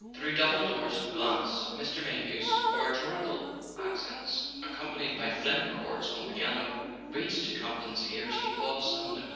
Through double doors of glass Mr. Mayhew's oratorical accents, accom¬ panied by faint chords on the piano, reached Camp ton's ears: he paused and looked.